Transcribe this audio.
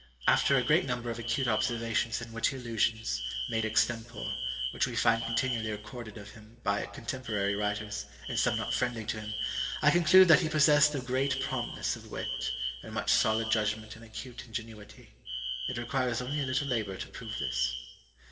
After a great number of acute observations and witty allusions, made extempore, which we find continually recorded of him by contemporary writers, and some not friendly to him, I conclude that he possessed a great promptness of wit, and much solid judgment and acute ingenuity. It requires only a little labour to prove this.